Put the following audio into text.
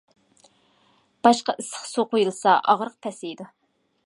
باشقا ئىسسىق سۇ قۇيۇلسا ئاغرىق پەسىيىدۇ.